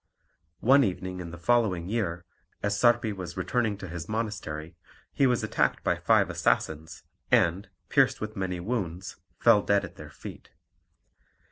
One evening in the following year, as Sarpi was returning to his monastery, he was attacked by five assassins, and, pierced with many wounds, fell dead at their feet.